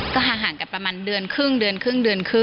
ก็ห่างกับประมาณเดือนครึ่งอะไรอย่างนี้ค่ะ